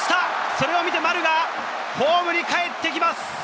それを見て丸がホームにかえってきます！